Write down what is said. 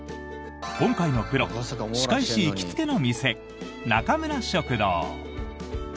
今回のプロ歯科医師行きつけの店なかむら食堂。